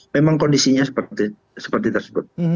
memang kondisinya seperti tersebut